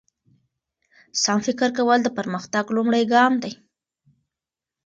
سم فکر کول د پرمختګ لومړی ګام دی.